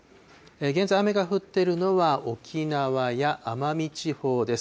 現在、雨が降っているのは沖縄や奄美地方です。